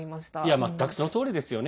全くそのとおりですよね。